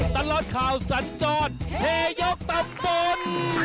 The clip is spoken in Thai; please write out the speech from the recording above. ตลอดข่าวสัญจรเฮยกตำบล